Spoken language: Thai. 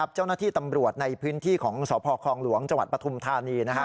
เจ้าหน้าที่ตำรวจในพื้นที่ของสพคลองหลวงจังหวัดปฐุมธานี